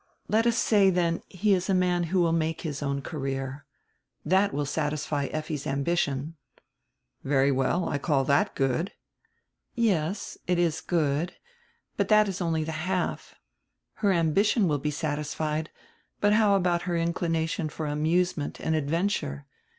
Let us say, then, he is a man who will make his own career. That will satisfy Effi's ambition," "Very well. I call that good." "Yes, it is good. But diat is only die half. Her am bition will be satisfied, but how about her inclination for amusement and adventure?